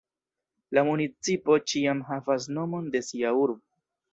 La municipo ĉiam havas nomon de sia urbo.